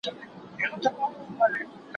وږی نه يم، قدر غواړم.